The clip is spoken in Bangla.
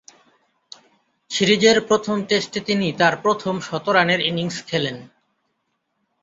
সিরিজের প্রথম টেস্টে তিনি তার প্রথম শতরানের ইনিংস খেলেন।